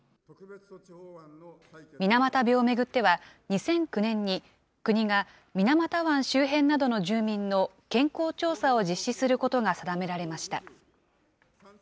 水俣病を巡っては、２００９年に国が水俣湾周辺などの住民の健康調査を実施することが定められました。